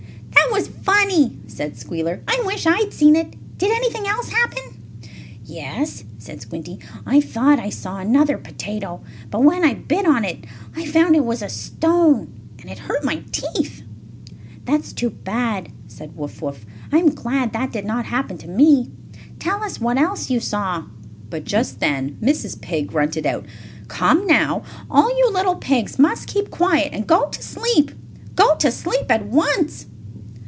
"That was funny," said Squealer. "I wish I had seen it. Did anything else happen?" "Yes," said Squinty. "I thought I saw another potato, but when I bit on it I found it was only a stone, and it hurt my teeth." "That's too bad," said Wuff Wuff. "I am glad that did not happen to me. Tell us what else you saw." But just then Mrs. Pig grunted out: "Come, now! All you little pigs must keep quiet and go to sleep. Go to sleep at once!"